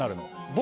僕。